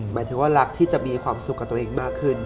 หมายถึงว่ารักที่จะมีความสุขกับตัวเองมากขึ้น